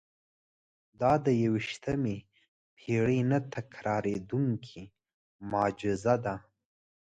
دا د یوویشتمې پېړۍ نه تکرارېدونکې معجزه ده.